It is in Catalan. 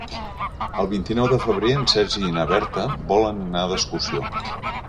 El vint-i-nou de febrer en Sergi i na Berta volen anar d'excursió.